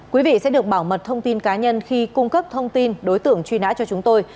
quý vị sẽ được bảo mật thông tin cá nhân khi cung cấp thông tin đối tượng truy nã cho chúng tôi